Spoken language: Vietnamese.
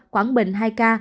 quảng bình hai ca